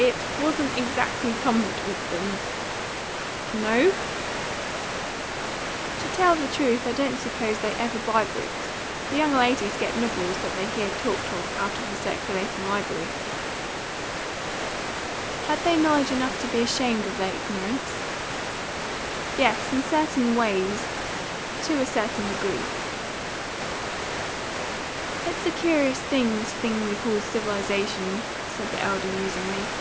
"It wasn't exactly cumbered with them." "No?" "To tell the truth, I don't suppose they ever buy books. The young ladies get novels that they hear talked of out of the circulating library." "Had they knowledge enough to be ashamed of their ignorance?" "Yes, in certain ways to a certain degree." "It's a curious thing, this thing we call civilisation," said the elder musingly.